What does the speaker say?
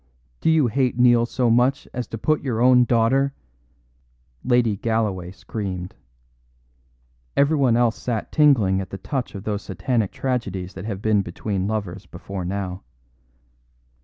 Do you hate Neil so much as to put your own daughter " Lady Galloway screamed. Everyone else sat tingling at the touch of those satanic tragedies that have been between lovers before now.